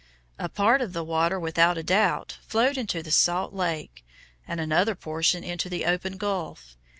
A part of the water without doubt flowed into the salt lake, and another portion into the open gulf.